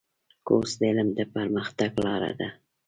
کورس د علم د پرمختګ لاره ده.